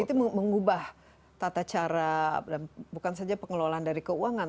dan itu mengubah tata cara bukan saja pengelolaan dari keuangan